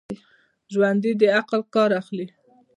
ژوندي د عقل کار اخلي